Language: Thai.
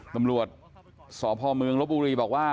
ตำรวจสพเมืองลบบุรีบอกว่า